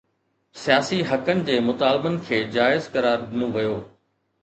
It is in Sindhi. سياسي حقن جي مطالبن کي جائز قرار ڏنو ويو